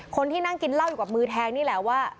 คนที่นั่งกินเหล้าอยู่กับมือแทงนี่แหละว่า